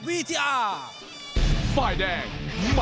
สวัสดีครับ